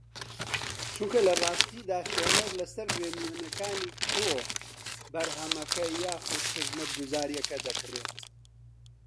چونکە لەڕاستیدا خوێنەر لەسەر ڕێنوینییەکانی تۆ بەرهەمەکە یاخوود خزمەتگوزارییەکە دەکڕێت